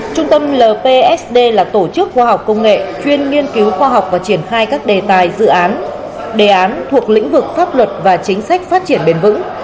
trung tâm lpsd là tổ chức khoa học công nghệ chuyên nghiên cứu khoa học và triển khai các đề tài dự án đề án thuộc lĩnh vực pháp luật và chính sách phát triển bền vững